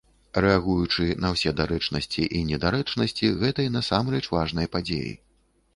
Рэагуючы на ўсе дарэчнасці і недарэчнасці гэтай насамрэч важнай падзеі.